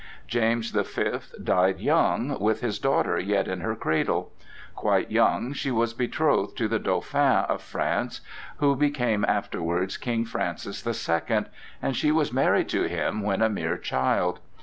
James the Fifth died young, with his daughter yet in her cradle. Quite young she was betrothed to the Dauphin of France, who became afterwards King Francis the Second, and she was married to him when a mere child.